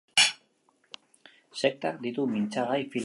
Sektak ditu mintzagai filmak.